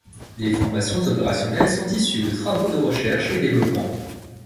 Les formations opérationnelles sont issues de travaux de recherche et développement.